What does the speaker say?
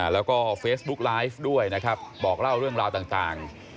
แล้วก็เฟซบุ๊กไลฟ์ด้วยนะครับบอกเล่าเรื่องราวต่าง